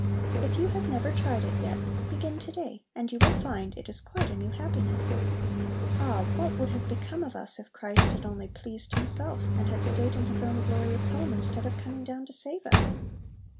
If you have never tried it yet, begin to day, and you will find it is quite a new happiness. Ah, what would have become of us if Christ had only "pleased Himself," and had stayed in His own glorious home instead of coming down to save us!